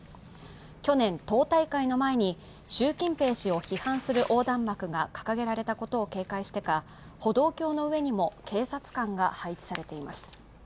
去年、党大会の前に習近平氏を批判する横断幕が掲げられたことを警戒してか歩道橋の上にも警察官が配置されています。